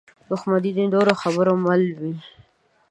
دښمن د تورو خبرو مل وي